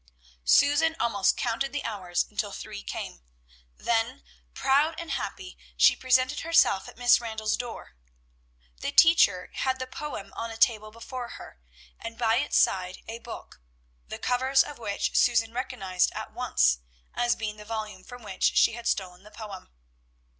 Susan almost counted the hours until three came; then, proud and happy, she presented herself at Miss Randall's door. The teacher had the poem on a table before her, and by its side a book, the covers of which Susan recognized at once as being the volume from which she had stolen the poem.